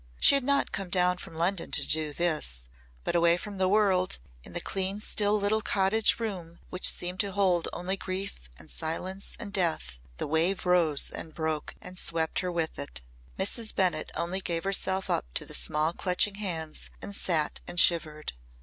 She had not come down from London to do this but away from the world in the clean, still little cottage room which seemed to hold only grief and silence and death the wave rose and broke and swept her with it. Mrs. Bennett only gave herself up to the small clutching hands and sat and shivered.